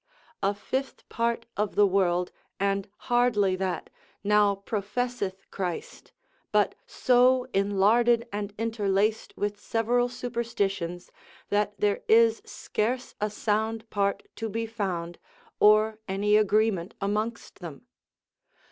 A fifth part of the world, and hardly that, now professeth CHRIST, but so inlarded and interlaced with several superstitions, that there is scarce a sound part to be found, or any agreement amongst them.